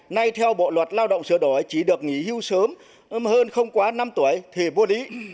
nay theo bộ luật lao động sửa đổi chỉ được nghỉ hưu sớm hơn không quá năm tuổi thì vô lý